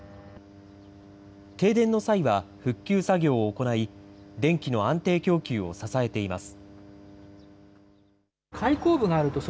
停電の際は復旧作業を行い、電気の安定供給を支えています。